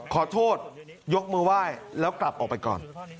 ขอโทษยกมือไหว้แล้วกลับออกไปก่อน